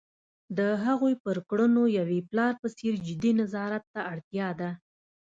د هغوی پر کړنو یوې پلار په څېر جدي نظارت ته اړتیا ده.